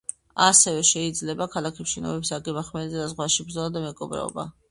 ასევე შეიძლება ქალაქებში შენობების აგება, ხმელეთზე და ზღვაში ბრძოლა, და მეკობრეობა.